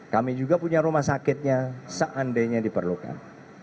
kami juga punya rumah sakitnya seandainya diperlukan